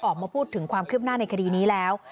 ออกมาพูดถึงความคืบหน้าในคดีนี้แล้ว